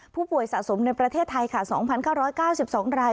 ผู้ป่วยสะสมในประเทศไทยค่ะสองพันเก้าร้อยเก้าสิบสองราย